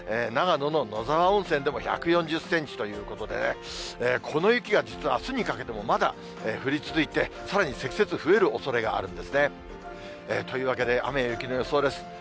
長野の野沢温泉でも１４０センチということでね、この雪が実はあすにかけてもまだ降り続いて、さらに積雪、増えるおそれがあるんですね。というわけで、雨や雪の予想です。